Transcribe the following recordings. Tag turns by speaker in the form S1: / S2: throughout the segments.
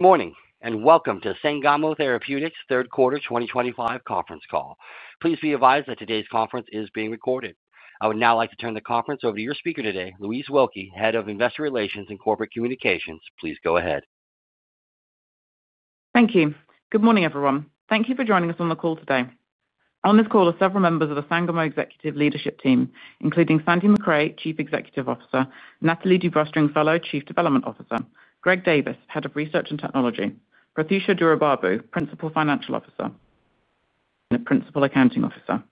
S1: Morning and welcome to Sangamo Therapeutics third quarter 2025 conference call. Please be advised that today's conference is being recorded. I would now like to turn the conference over to your speaker today, Louise Wilkie, Head of Investor Relations and Corporate Communications. Please go ahead.
S2: Thank you. Good morning everyone. Thank you for joining us on the call today. On this call are several members of the Sangamo executive leadership team including Sandy Macrae, Chief Executive Officer, Nathalie Dubois-Stringfellow, Chief Development Officer, Greg Davis, Head of Research and Technology, and Prathyusha Duraibabu, Principal Financial Officer and Principal Accounting Officer.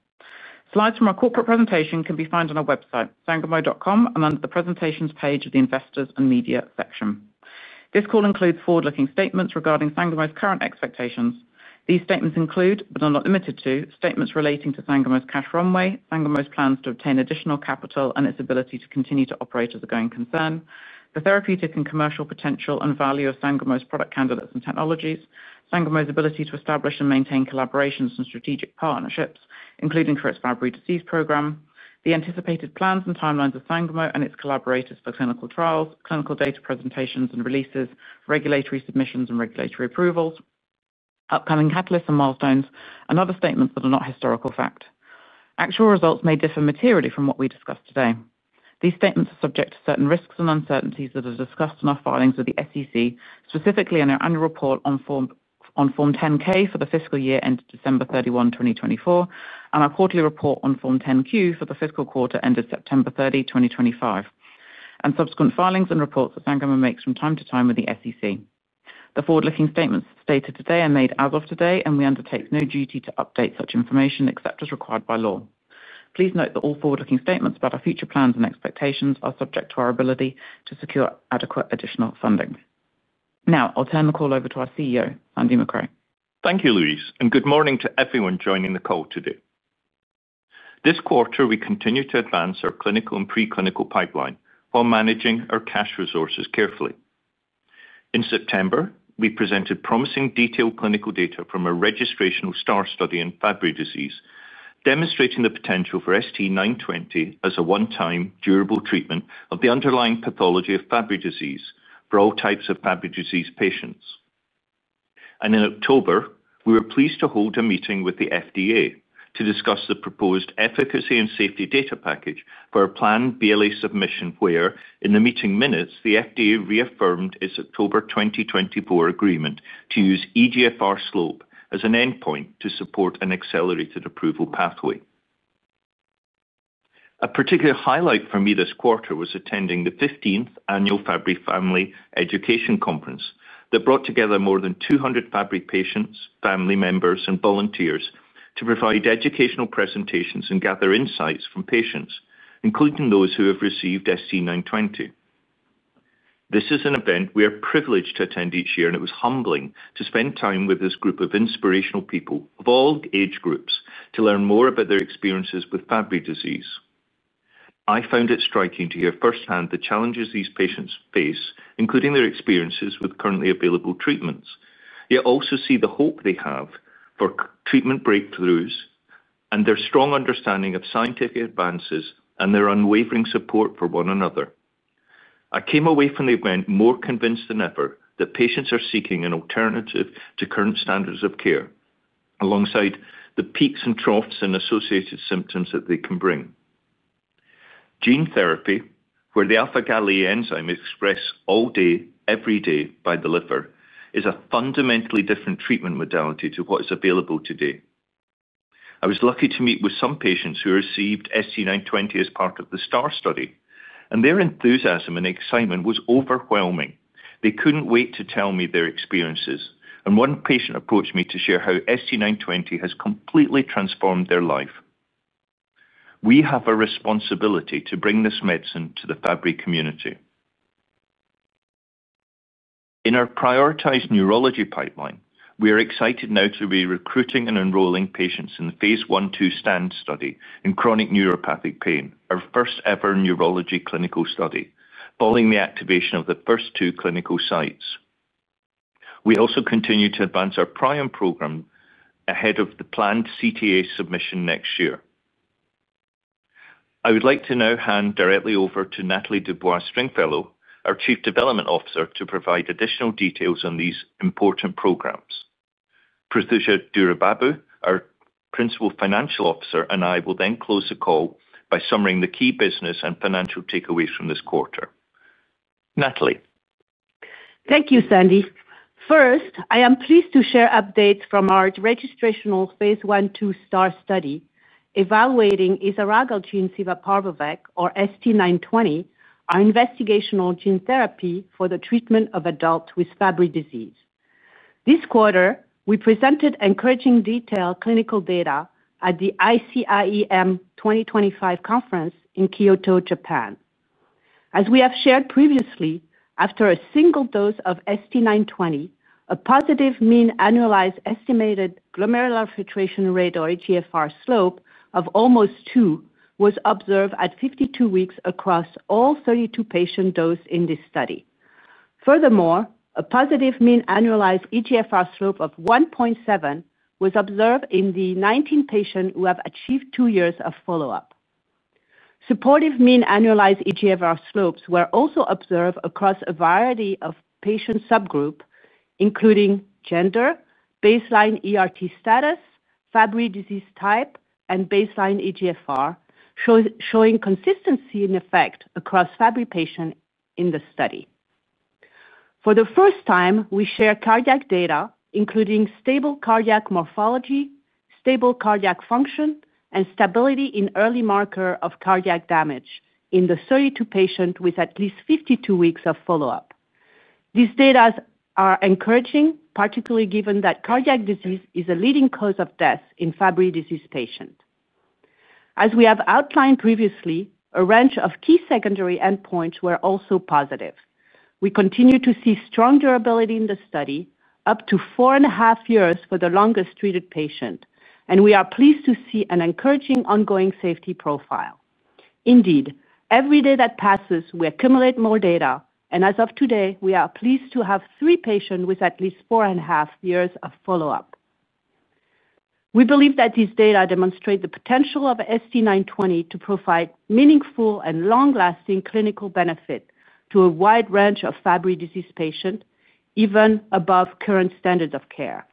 S2: Slides from our corporate presentation can be found on our website, sangamo.com, and under the presentations page of the Investors and Media section. This call includes forward looking statements regarding Sangamo's current expectations. These statements include, but are not limited to, statements relating to Sangamo's cash runway, Sangamo's plans to obtain additional capital and its ability to continue to operate as a going concern, the therapeutic and commercial potential and value of Sangamo's product candidates and technologies, Sangamo's ability to establish and maintain collaborations and strategic partnerships including the Fabry disease program, the anticipated plans and timelines of Sangamo and its collaborators for clinical trials, clinical data presentations and releases, regulatory submissions and regulatory approvals, upcoming catalysts and milestones, and other statements that are not historical fact. Actual results may differ materially from what we discussed today. These statements are subject to certain risks and uncertainties that are discussed in our filings with the SEC, specifically in our Annual Report on Form 10-K for the fiscal year ended December 31, 2024 and our Quarterly Report on Form 10-Q for the fiscal quarter ended September 30, 2025 and subsequent filings and reports that Sangamo makes from time to time with the SEC. The forward looking statements stated today are made as of today and we undertake no duty to update such information except as required by law. Please note that all forward looking statements about our future plans and expectations are subject to our ability to secure adequate additional funding. Now I'll turn the call over to our CEO Sandy Macrae.
S3: Thank you Louise and good morning to everyone joining the call today. This quarter we continue to advance our clinical and preclinical pipeline while managing our cash resources carefully. In September we presented promising detailed clinical data from a registrational STAAR study in Fabry disease demonstrating the potential for ST-920 as a one time durable treatment of the underlying pathology of Fabry disease for all types of Fabry disease patients. In October we were pleased to hold a meeting with the FDA to discuss the proposed efficacy and safety data package for a planned BLA submission, where in the meeting minutes the FDA reaffirmed its October 2024 agreement to use eGFR slope as an endpoint to support an accelerated approval pathway. A particular highlight for me this quarter was attending the 15th annual Fabry Family Education Conference that brought together more than 200 Fabry patients, family members and volunteers to provide educational presentations and gather insights from patients, including those who have received ST-920. This is an event we are privileged to attend each year and it was humbling to spend time with this group of inspirational people of all age groups to learn more about their experiences with Fabry disease. I found it striking to hear firsthand the challenges these patients face, including their experiences with currently available treatments, yet also see the hope they have for treatment breakthroughs and their strong understanding of scientific advances and their unwavering support for one another. I came away from the event more convinced than ever that patients are seeking an alternative to current standards of care alongside the peaks and troughs and associated symptoms that they can bring. Gene therapy, where the alpha-Gal A enzyme is expressed all day every day by the liver, is a fundamentally different treatment modality to what is available today. I was lucky to meet with some patients who received ST-920 as part of the STAAR study and their enthusiasm and excitement was overwhelming. They could not wait to tell me their experiences and one patient approached me to share how ST-920 has completely transformed their life. We have a responsibility to bring this medicine to the Fabry community in our prioritised neurology pipeline. We are excited now to be recruiting and enrolling patients in the phase I/II STAND study in chronic neuropathic pain, our first ever neurology clinical study following the activation of the first two clinical sites. We also continue to advance our prion program ahead of the planned CTA submission next year. I would like to now hand directly over to Nathalie Dubois-Stringfellow, our Chief Development Officer, to provide additional details on these important programs. Prathyusha Duraibabu, our Principal Financial Officer, and I will then close the call by summarizing the key business and financial takeaways from this quarter. Nathalie.
S4: Thank you, Sandy. First, I am pleased to share updates from our registrational phase I/II STAAR study evaluating isaralgagene civaparvovec or ST-920, our investigational gene therapy for the treatment of adults with Fabry disease. This quarter we presented encouraging detailed clinical data at the ICIEM 2025 conference in Kyoto, Japan. As we have shared previously, after a single dose of ST-920, a positive mean annualized estimated glomerular filtration rate or eGFR slope of almost 2 was observed at 52 weeks across all 32 patients dosed in this study. Furthermore, a positive mean annualized eGFR slope of 1.7 was observed in the 19 patients who have achieved 2 years of follow-up. Supportive mean annualized eGFR slopes were also observed across a variety of patient subgroups including gender, baseline ERT status, Fabry disease type, and baseline eGFR, showing consistency in effect across Fabry patients in the study. For the first time, we share cardiac data including stable cardiac morphology, stable cardiac function, and stability in early marker of cardiac damage in the 32 patient with at least 52 weeks of follow up. These data are encouraging, particularly given that cardiac disease is a leading cause of death in Fabry disease patients. As we have outlined previously, a range of key secondary endpoints were also positive. We continue to see strong durability in the study up to four and a half years for the longest treated patient, and we are pleased to see an encouraging ongoing safety profile. Indeed, every day that passes we accumulate more data and as of today we are pleased to have three patients with at least four and a half years of follow up. We believe that these data demonstrate the potential of ST-920 to provide meaningful and long lasting clinical benefit to a wide range of Fabry disease patients, even above current standards of care.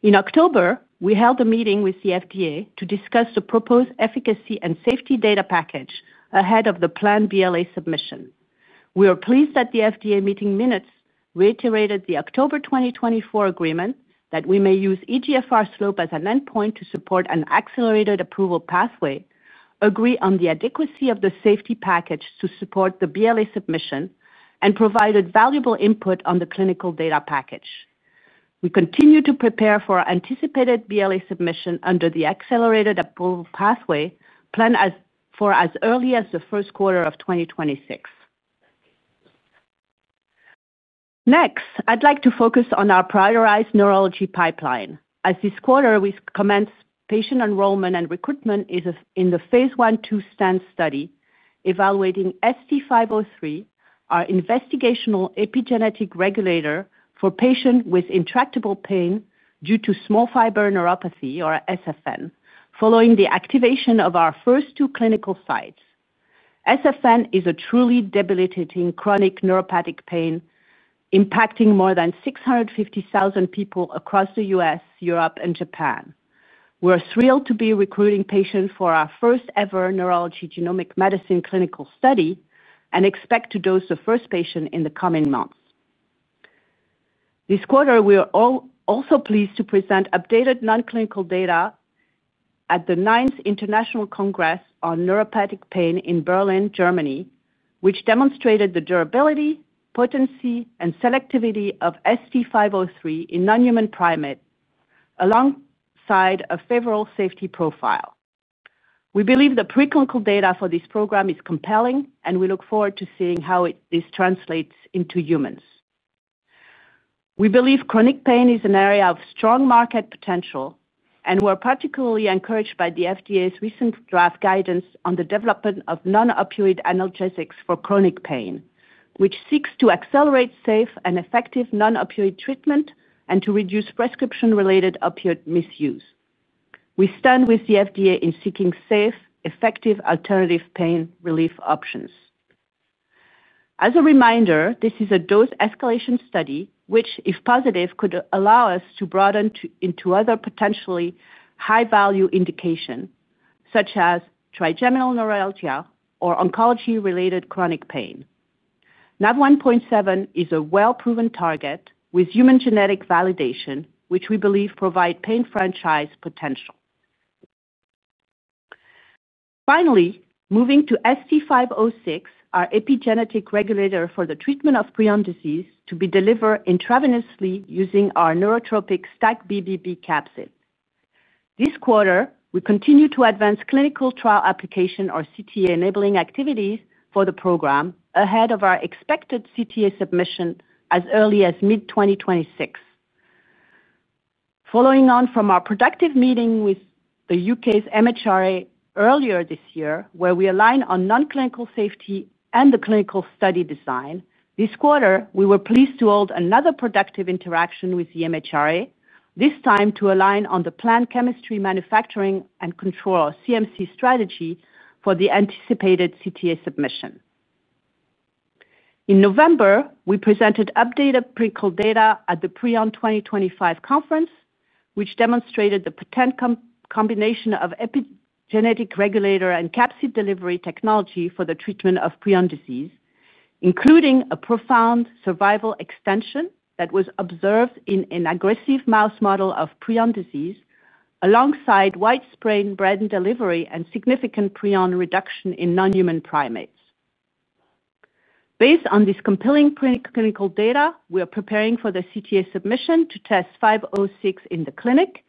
S4: In October we held a meeting with the FDA to discuss the proposed efficacy and safety data package ahead of the planned BLA submission. We are pleased that the FDA meeting minutes reiterated the October 2024 agreement that we may use eGFR slope as an endpoint to support an accelerated approval pathway, agree on the adequacy of the safety package to support the BLA submission, and provided valuable input on the clinical data package. We continue to prepare for our anticipated BLA submission under the accelerated approval pathway planned for as early as the first quarter of 2026. Next, I'd like to focus on our prioritized neurology pipeline as this quarter we commenced patient enrollment and recruitment in the phase 1/2 STAND study evaluating ST-503, our investigational epigenetic regulator for patients with intractable pain due to small fiber neuropathy or SFN, following the activation of our first two clinical sites. SFN is a truly debilitating chronic neuropathic pain impacting more than 650,000 people across the U.S., Europe, and Japan. We are thrilled to be recruiting patients for our first ever neurology genomic medicine clinical study and expect to dose the first patient in the coming months. This quarter we are also pleased to present updated non-clinical data at the 9th International Congress on Neuropathic Pain in Berlin, Germany, which demonstrated the durability, potency, and selectivity of ST-503 in non-human primate alongside a favorable safety profile. We believe the preclinical data for this program is compelling and we look forward to seeing how this translates into humans. We believe chronic pain is an area of strong market potential and we're particularly encouraged by the FDA's recent draft guidance on the development of non opioid analgesics for chronic pain, which seeks to accelerate safe and effective non opioid treatment and to reduce prescription related opioid misuse. We stand with the FDA in seeking safe, effective alternative pain relief options. As a reminder, this is a dose escalation study, which if positive could allow us to broaden into other potentially high value indications such as trigeminal neuralgia or oncology-related chronic pain. Nav1.7 is a well proven target with human genetic validation, which we believe provides pain franchise potential. Finally, moving to ST-506, our epigenetic regulator for the treatment of prion disease to be delivered intravenously using our neurotropic STAC-BBB capsid. This quarter, we continue to advance clinical trial application, or CTA, enabling activities for the program ahead of our expected CTA submission as early as mid-2026. Following on from our productive meeting with the U.K.'s MHRA earlier this year, where we aligned on non-clinical safety and the clinical study design, this quarter we were pleased to hold another productive interaction with the MHRA, this time to align on the planned chemistry, manufacturing, and control, or CMC, strategy for the anticipated CTA submission. In November we presented updated preclinical data at the Prion 2025 conference which demonstrated the potent combination of epigenetic regulator and capsid delivery technology for the treatment of prion disease, including a profound survival extension that was observed in an aggressive mouse model of prion disease alongside widespread brain delivery and significant prion reduction in nonhuman primates. Based on this compelling preclinical data, we are preparing for the CTA submission to test ST-506 in the clinic.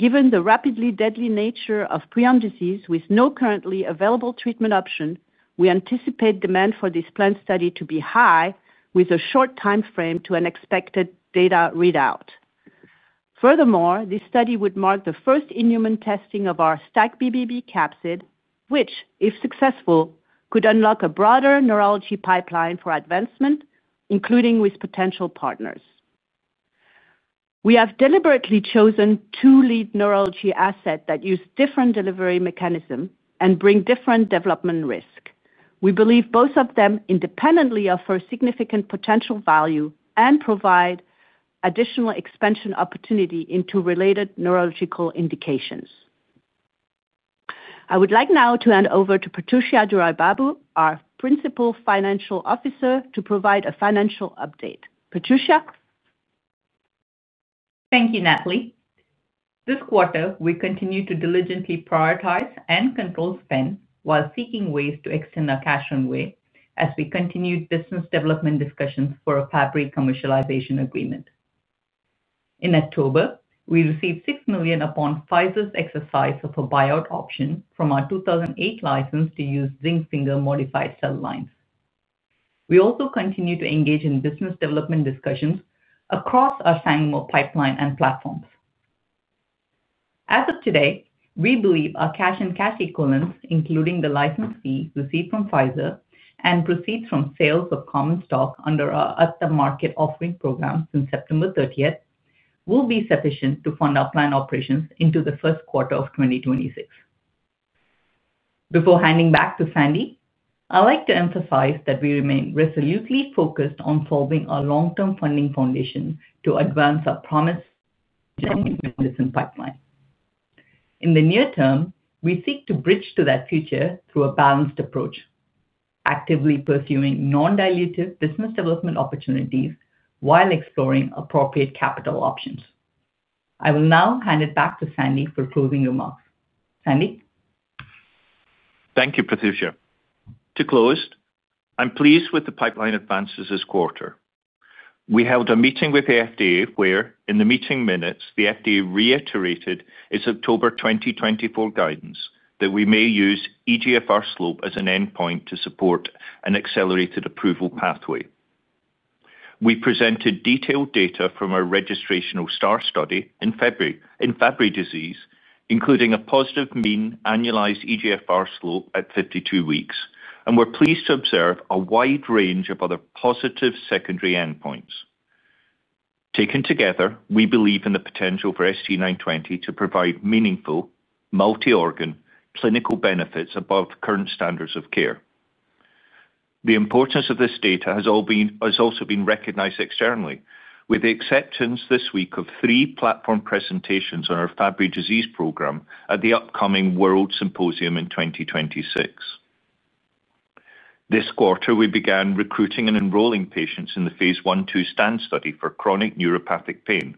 S4: Given the rapidly deadly nature of prion disease with no currently available treatment option, we anticipate demand for this planned study to be high with a short time frame to an expected data readout. Furthermore, this study would mark the first in human testing of our STAC-BBB capsid which if successful could unlock a broader neurology pipeline for advancement, including with potential partners. We have deliberately chosen two lead neurology assets that use different delivery mechanisms and bring different development risk. We believe both of them independently offer significant potential value and provide additional expansion opportunity into related neurological indications. I would like now to hand over to Prathyusha Duraibabu, our Principal Financial Officer, to provide a financial update. Prathyusha.
S5: Thank you, Nathalie. This quarter we continue to diligently prioritize and control spend while seeking ways to extend our cash runway as we continued business development discussions for a Fabry commercialization agreement. In October we received $6 million upon Pfizer's exercise of a buyout option from our 2008 license to use zinc finger modified cell lines. We also continue to engage in business development discussions across our Sangamo pipeline and platforms. As of today, we believe our cash. Cash equivalents, including the license fee received from Pfizer and proceeds from sales of common stock under our at the market offering program since September 30th, will be sufficient to fund our planned operations into the first quarter of 2026. Before handing back to Sandy, I'd like to emphasize that we remain resolutely focused on solving a long-term funding foundation to advance our promise pipeline. In the near term, we seek to bridge to that future through a balanced approach, actively pursuing non-dilutive business development opportunities while exploring appropriate capital options. I will now hand it back to Sandy for closing remarks. Sandy.
S3: Thank you Prathyusha. To close, I'm pleased with the pipeline advances. This quarter we held a meeting with the FDA where in the meeting minutes the FDA reiterated its October 2024 guidance that we may use eGFR slope as an endpoint to support an accelerated approval pathway. We presented detailed data from our registrational STAAR study in Fabry disease including a positive mean annualized eGFR slope at 52 weeks, and we're pleased to observe a wide range of other positive secondary endpoints. Taken together, we believe in the potential for ST-920 to provide meaningful multi-organ clinical benefits above current standards of care. The importance of this data has also been recognized externally with the acceptance this week of three platform presentations on our Fabry disease program at the upcoming World Symposium in 2026. This quarter we began recruiting and enrolling patients in the phase I/II STAND study for chronic neuropathic pain.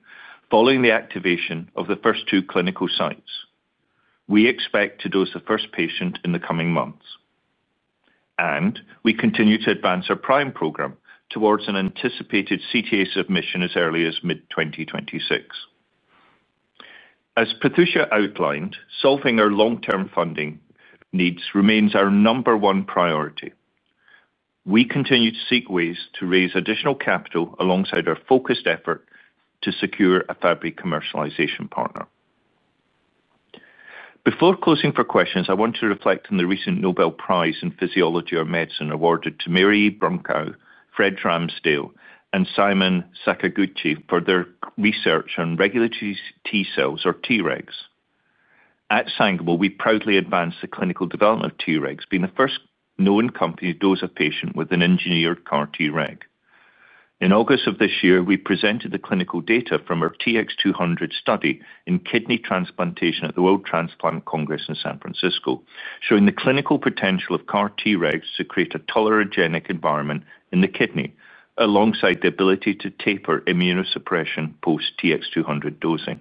S3: Following the activation of the first two clinical sites, we expect to dose the first patient in the coming months and we continue to advance our prion program towards an anticipated CTA submission as early as mid-2026. As Prathyusha outlined, solving our long term funding needs remains our number one priority. We continue to seek ways to raise additional capital alongside our focused effort to secure a Fabry commercialization partner. Before closing for questions, I want to reflect on the recent Nobel Prize in Physiology or Medicine awarded to Mary Brunkow, Fred Ramsdell, and Shimon Sakaguchi for their research on regulatory T cells or Tregs. At Sangamo, we proudly advanced the clinical development of Tregs, being the first known company to dose a patient with an engineered CAR-Treg. In August of this year, we presented the clinical data from our TX200 study in kidney transplantation at the World Transplant Congress in San Francisco showing the clinical potential of CAR-Tregs to create a tolerogenic environment in the kidney alongside the ability to taper immunosuppression post TX200 dosing.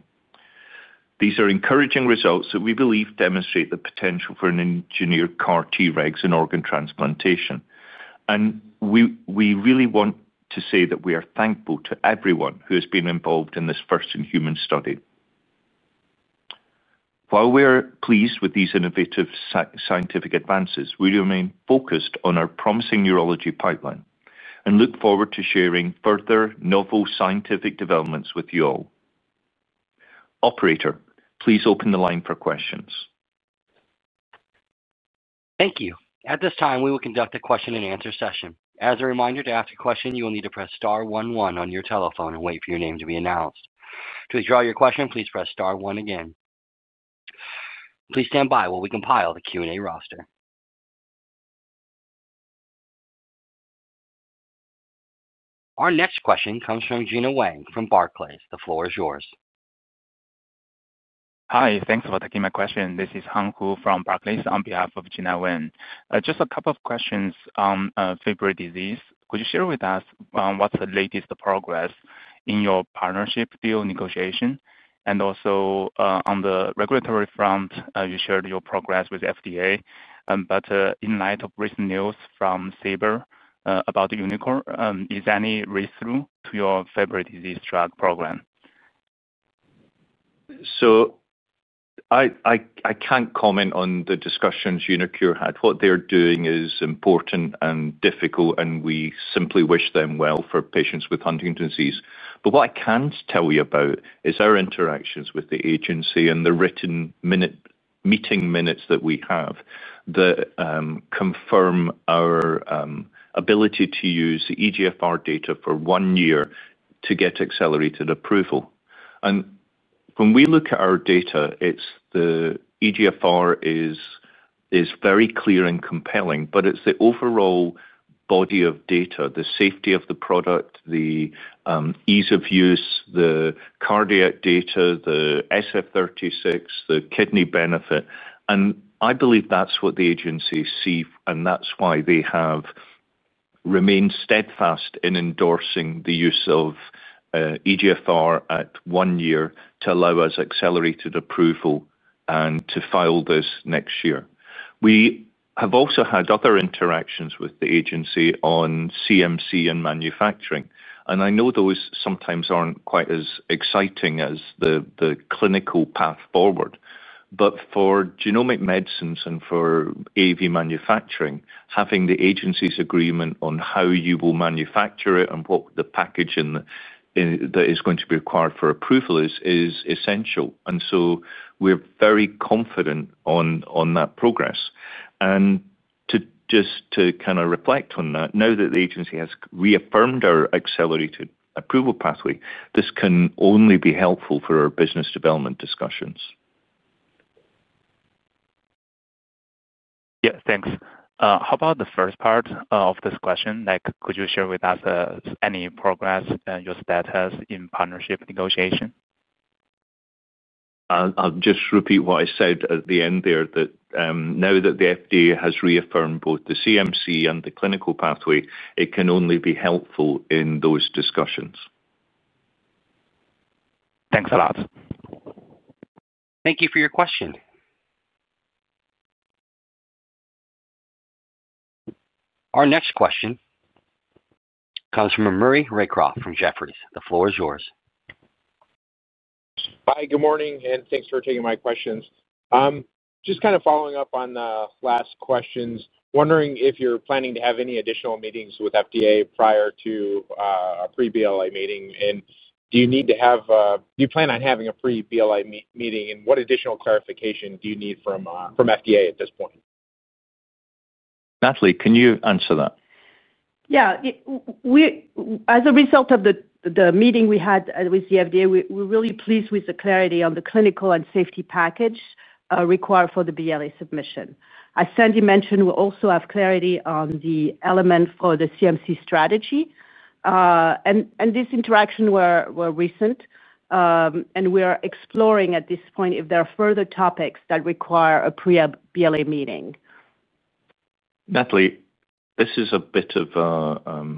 S3: These are encouraging results that we believe demonstrate the potential for an engineered CAR-Tregs in organ transplantation. We really want to say that we are thankful to everyone who has been involved in this first in human study. While we are pleased with these innovative scientific advances, we remain focused on our promising neurology pipeline and look forward to sharing further novel scientific developments with you all. Operator, please open the line for questions.
S1: Thank you. At this time we will conduct a question and answer session. As a reminder to ask a question, you will need to press Star 11 on your telephone and wait for your name to be announced. To withdraw your question, please press Star one again. Please stand by while we compile the Q and A roster. Our next question comes from Gena Wang from Barclays. The floor is yours.
S6: Hi, thanks for taking my question. This is Hang Hu from Barclays on behalf of Gena Wang. Just a couple of questions on Fabry disease. Could you share with us what's the latest progress in your partnership deal negotiation? Also on the regulatory front, you shared your progress with FDA, but in light of recent news from Sangamo about uniQure, is any read through to your Fabry disease drug program?
S3: I can't comment on the discussions uniQure had. What they're doing is important and difficult and we simply wish them well for patients with Huntington disease. What I can tell you about is our interactions with the agency and the written meeting minutes that we have that confirm our ability to use the eGFR data for one year to get accelerated approval. When we look at our data, the eGFR is very clear and compelling. It's the overall body of data, the safety of the product, the ease of use, the cardiac data, the SF-36, the kidney benefit. I believe that's what the agencies see and that's why they have remained steadfast in endorsing the use of eGFR at one year to allow us accelerated approval and to file this next year. We have also had other interactions with the agency on CMC and manufacturing, and I know those sometimes are not quite as exciting as the clinical path forward. For genomic medicines and for AAV manufacturing, having the agency's agreement on how you will manufacture it and what the package that is going to be required for approval is, is essential. We are very confident on that progress. Just to kind of reflect on that, now that the agency has reaffirmed our accelerated approval pathway, this can only be helpful for our business development discussions.
S6: Yeah, thanks. How about the first part of this question, like, could you share with us any progress, your status in partnership negotiation?
S3: I'll just repeat what I said at the end there, that now that the FDA has reaffirmed both the CMC and the clinical pathway, it can only be helpful in those discussions.
S6: Thanks a lot.
S1: Thank you for your question. Our next question comes from Maury Raycroft from Jefferies. The floor is yours.
S7: Hi, good morning and thanks for taking my questions. Just kind of following up on the last questions. Wondering if you're planning to have any additional meetings with FDA prior to a pre BLA meeting and do you need to have. Do you plan on having a pre BLA meeting and what additional clarification do you need from FDA at this point?
S3: Nathalie, can you answer that?
S4: Yeah. As a result of the meeting we had with the FDA, we're really pleased with the clarity on the clinical and safety package required for the BLA submission. As Sandy mentioned, we also have clarity on the element for the CMC strategy and these interactions were recent. We are exploring at this point if there are further topics that require a pre-BLA meeting.
S3: Nathalie, this is a bit of a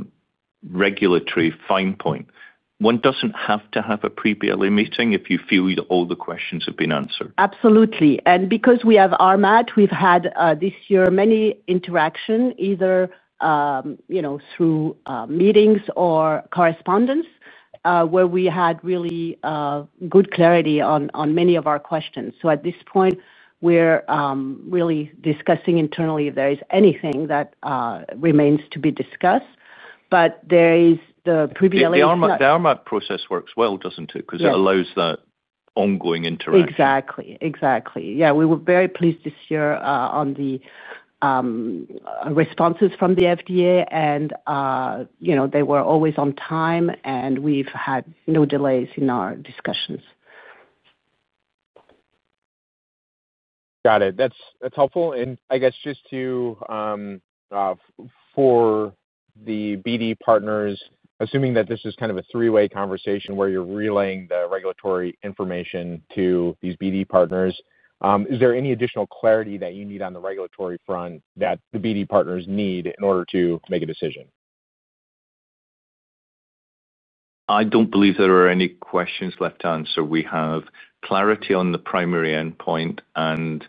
S3: regulatory fine point. One does not have to have a pre BLA meeting if you feel all the questions have been answered.
S4: Absolutely. Because we have RMAT, we've had this year many interactions either, you know, through meetings or correspondence where we had really good clarity on many of our questions. At this point we're really discussing internally if there is anything that remains to be discussed. There is the preliminary.
S3: The RMAT process works well, doesn't it? Because it allows that ongoing interaction.
S4: Exactly, exactly. Yeah. We were very pleased this year on the responses from the FDA and, you know, they were always on time and we've had no delays in our discussions.
S7: Got it. That's helpful. I guess just to, for the BD partners, assuming that this is kind of a three way conversation where you're relaying the regulatory information to these BD partners, is there any additional clarity that you need on the regulatory front that the BD partners need in order to make a decision?
S3: I don't believe there are any questions left to answer. We have clarity on the primary endpoint and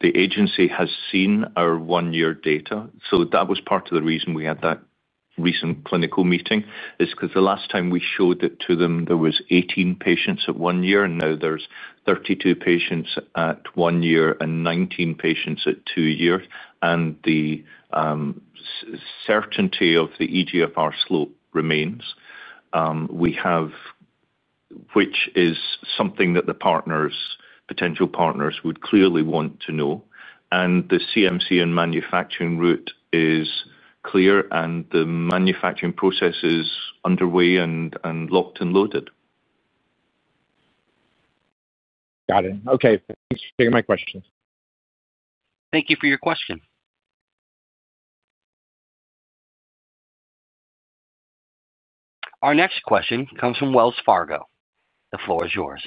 S3: the agency has seen our one year data. That was part of the reason we had that recent clinical meeting, because the last time we showed it to them there were 18 patients at one year and now there are 32 patients at one year and 19 patients at two years. The certainty of the eGFR slope remains, which is something that the partners, potential partners, would clearly want to know. The CMC and manufacturing route is clear and the manufacturing process is underway and locked and loaded.
S7: Got it. Okay. Thanks for taking my questions.
S1: Thank you for your question. Our next question comes from Wells Fargo. The floor is yours.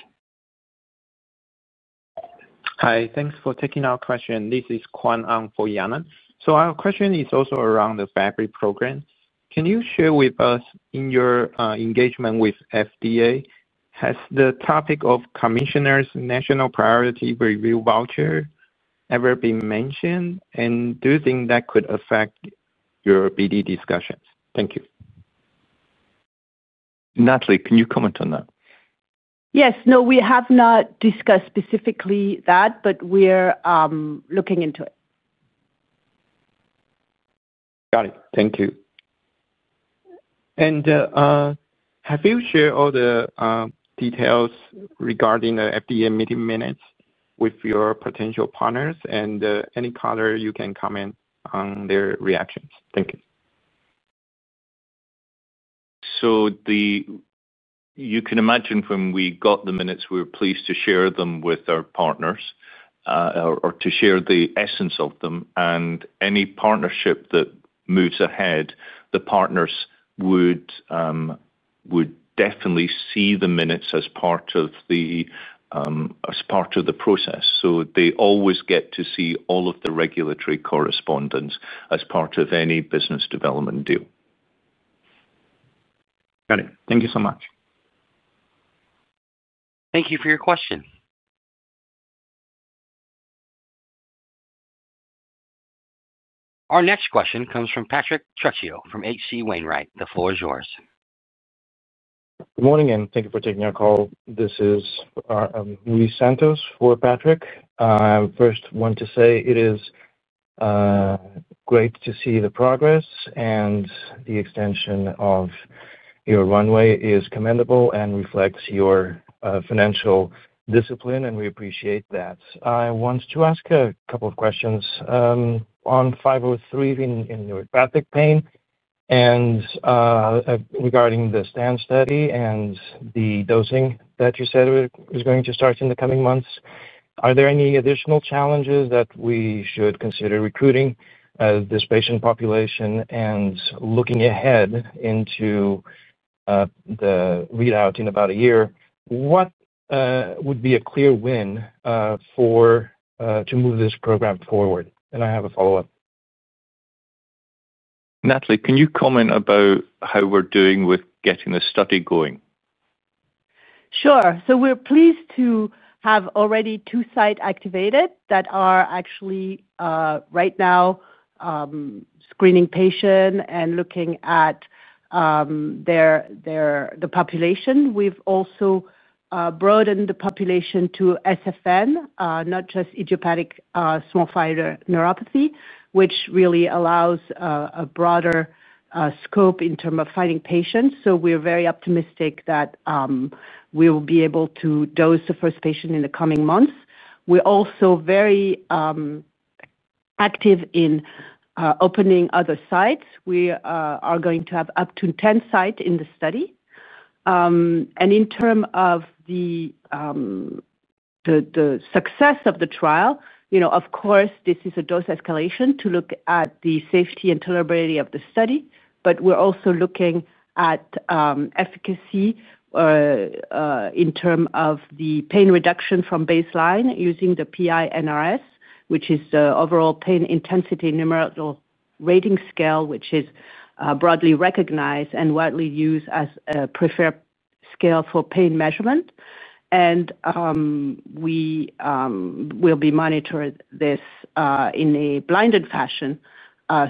S1: Hi, thanks for taking our question. This is Kwan Ang for Yanan. Our question is also around the Fabry program. Can you share with us, in your engagement with FDA, has the topic of Commissioner's national priority review voucher ever been mentioned, and do you think that could affect your BD discussions? Thank you.
S3: Nathalie, can you comment on that?
S4: Yes. No, we have not discussed specifically that, but we are looking into it. Got it. Thank you. Have you shared all the details regarding the FDA meeting minutes with your potential partners, and any color you can comment on their reactions? Thank you.
S3: You can imagine when we got the minutes, we were pleased to share them with our partners or to share the essence of them, and any partnership that moves ahead, the partners would definitely see the minutes as part of the process. They always get to see all of the regulatory correspondence as part of any business development deal. Got it. Thank you so much.
S1: Thank you for your question. Our next question comes from Patrick Trucchio from H.C. Wainwright. The floor is yours.
S8: Good morning and thank you for taking our call. This is Luis Santos for Patrick. First want to say it is great to see the progress and the extension of your runway is commendable and reflects your financial discipline and we appreciate that. I want to ask a couple of questions on 503 in neuropathic pain and regarding the STAND study and the dosing that you said is going to start in the coming months, are there any additional challenges that we should consider recruiting this patient population and looking ahead into the readout in about a year, what would be a clear win to move this program forward? I have a follow up.
S3: Nathalie, can you comment about how we're doing with getting the study going?
S4: Sure. We're pleased to have already two sites activated that are actually right now screening patient and looking at the population. We've also broadened the population to SFN, not just idiopathic small fiber neuropathy, which really allows a broader scope in terms of finding patients. We are very optimistic that we will be able to dose the first patient in the coming months. We're also very active in opening other sites. We are going to have up to 10 sites in the study. In terms of the success of the trial, of course this is a dose escalation to look at the safety and tolerability of the study. We're also looking at efficacy in terms of the pain reduction from baseline using the PI-NRS, which is the overall pain intensity numerical rating scale, which is broadly recognized and widely used as preferred scale for pain measurement. We will be monitoring this in a blinded fashion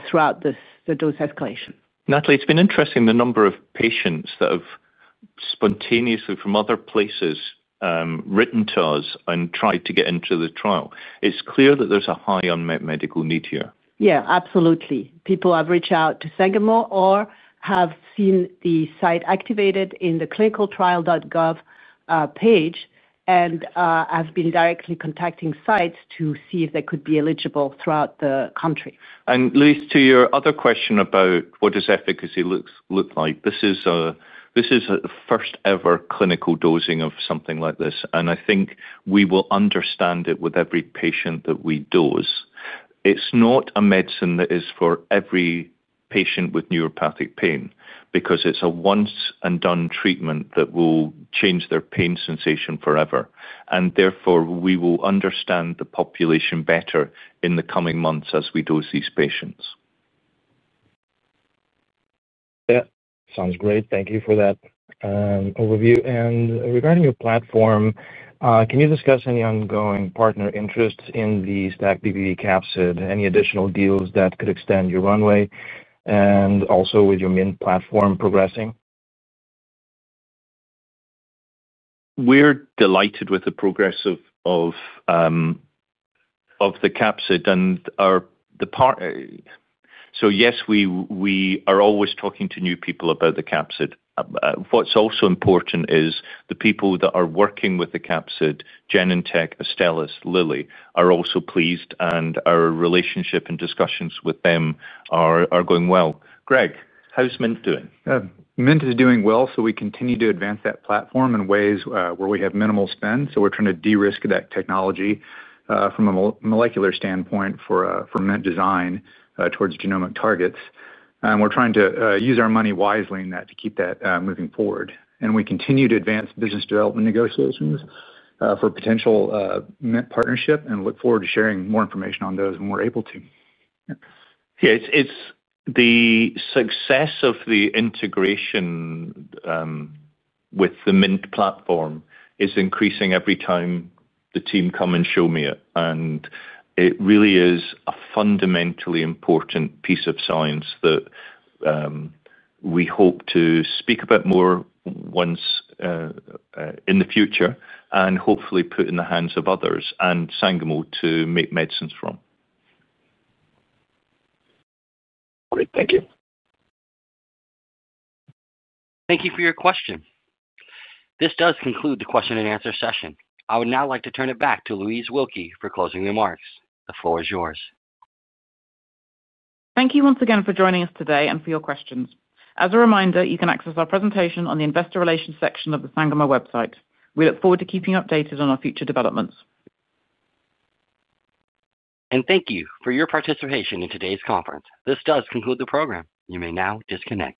S4: throughout the dose escalation.
S3: Nathalie, it's been interesting the number of patients that have spontaneously from other places written to us and tried to get into the trial. It's clear that there's a high unmet medical need here.
S4: Yeah, absolutely. People have reached out to Sangamo or have seen the site activated in the clinicaltrials.gov page and have been directly contacting sites to see if they could be eligible throughout the country.
S3: Luis, to your other question about what does efficacy look like? This is the first ever clinical dosing of something like this and I think we will understand it with every patient that we dose. It's not a medicine that is for every patient with neuropathic pain because it's a once and done treatment that will change their pain sensation forever. Therefore we will understand the population better in the coming months as we dose these patients.
S8: Yeah, sounds great. Thank you for that overview. Regarding your platform, can you discuss any ongoing partner interests in the STAC-BBB capsid? Any additional deals that could extend your runway? Also, with your MINT platform progressing.
S3: We're delighted with the progress of the capsid and the part. Yes, we are always talking to new people about the capsid. What's also important is the people that are working with the capsid. Genentech, Astellas, Lilly are also pleased and our relationship and discussions with them are going well. Greg, how's MINT doing?
S9: MINT is doing well. We continue to advance that platform in ways where we have minimal spend. We are trying to de-risk that technology from a molecular standpoint for MINT design towards genomic targets. We are trying to use our money wisely in that to keep that moving forward. We continue to advance business development negotiations for potential MINT partnership and look forward to sharing more information on those when we are able to.
S3: Yeah, the success of the integration with the MINT platform is increasing every time the team come and show me it, and it really is a fundamentally important piece of science that we hope to speak a bit more about once in the future and hopefully put in the hands of others and Sangamo to make medicines from.
S8: Great. Thank you.
S1: Thank you for your question. This does conclude the question and answer session. I would now like to turn it back to Louise Wilkie for closing remarks. The floor is yours.
S2: Thank you once again for joining us today and for your questions. As a reminder, you can access our presentation on the Investor Relations section of the Sangamo website. We look forward to keeping you updated on our future developments.
S1: Thank you for your participation in today's conference. This does conclude the program. You may now disconnect.